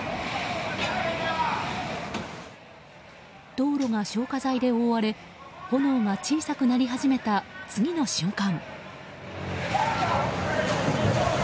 道路が消火剤で覆われ炎が小さくなり始めた次の瞬間。